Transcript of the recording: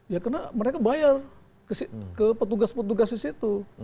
ya karena mereka bayar ke petugas petugas di situ